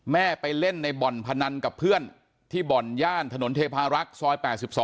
ไปเล่นในบ่อนพนันกับเพื่อนที่บ่อนย่านถนนเทพารักษ์ซอย๘๒